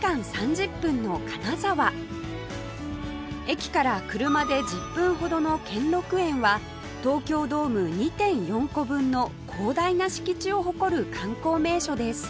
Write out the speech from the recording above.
駅から車で１０分ほどの兼六園は東京ドーム ２．４ 個分の広大な敷地を誇る観光名所です